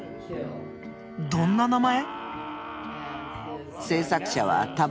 どんな名前？